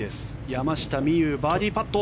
山下美夢有、バーディーパット。